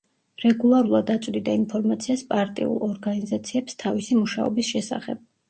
რეგულარულად აწვდიდა ინფორმაციას პარტიულ ორგანიზაციებს თავისი მუშაობის შესახებ.